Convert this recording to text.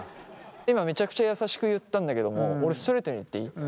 今めちゃくちゃ優しく言ったんだけども俺ストレートに言っていい？